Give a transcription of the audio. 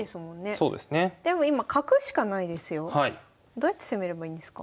どうやって攻めればいいんですか？